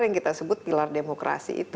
yang kita sebut pilar demokrasi itu